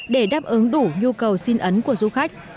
để đáp ứng đủ nhu cầu xin ấn của du khách